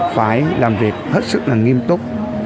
phải làm việc hết sức là nghiêm túc